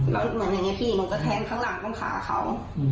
แล้วเหมือนยังไงพี่มันก็แทงข้างหลังข้ามขาเค้า